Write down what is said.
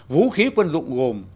vũ khí quân dụng gồm